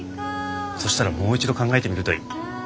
そしたらもう一度考えてみるといい。